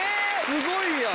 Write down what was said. すごいやん。